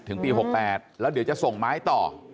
ถึงปี๖๘แล้วเดี๋ยวจะส่งไม้ต่อ